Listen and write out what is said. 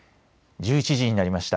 １１時になりました。